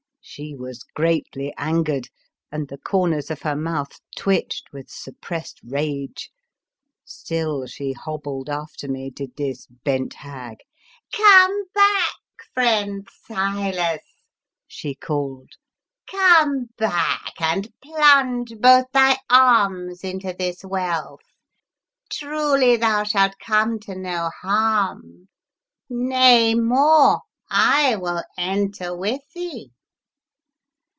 She was greatly angered and the corners of her mouth twitched with suppressed rage. Still she hobbled after me, did this bent hag. " Come back, friend Silas! " she called. " Come back and plunge both thy arms into this wealth ; truly thou shalt come to no harm — nay more, I will enter with thee!"